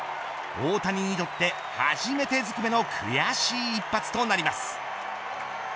大谷にとって初めてづくめの悔しい一発となります。